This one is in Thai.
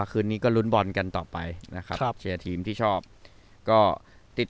คืนนี้ก็ลุ้นบอลกันต่อไปนะครับครับเชียร์ทีมที่ชอบก็ติด